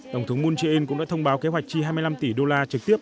tổng thống moon jae in cũng đã thông báo kế hoạch chi hai mươi năm tỷ đô la trực tiếp